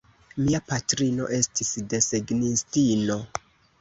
Mia patrino estis desegnistino.